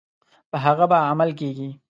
په هغه به عمل کیږي.